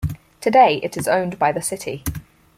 Today it is owned by the city.